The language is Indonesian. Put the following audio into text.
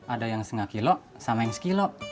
ada yang setengah kilo sama yang sekilo